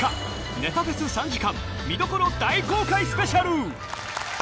ネタフェス３時間見どころ大公開スペシャル。